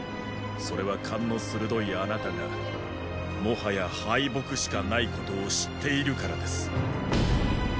それは勘の鋭いあなたがもはや敗北しかないことを知っているからです。